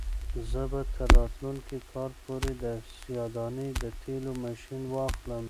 زه به تر راتلونکي کال پورې د سیاه دانې د تېلو ماشین واخلم.